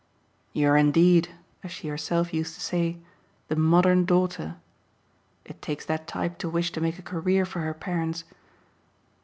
"You're indeed, as she herself used to say, the modern daughter! It takes that type to wish to make a career for her parents."